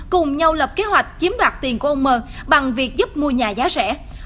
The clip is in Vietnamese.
cùng nhau lập kế hoạch chiếm đoạt tiền của ông m bằng việc giúp mua nhà giá rẻ